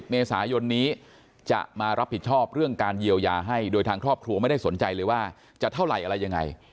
เมษายนนี้จะมารับผิดชอบเรื่องการเยียวยาให้โดยทางครอบครัวไม่ได้สนใจเลยว่าจะเท่าไหร่อะไรยังไง